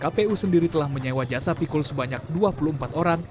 kpu sendiri telah menyewa jasa pikul sebanyak dua puluh empat orang